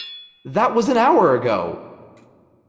That was an hour ago!